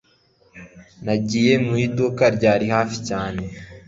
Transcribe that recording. Nagiye mu iduka ryari hafi cyane